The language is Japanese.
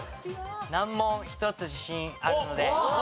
難問１つ自信あるので。